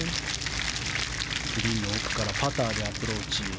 グリーンの奥からパターでアプローチ。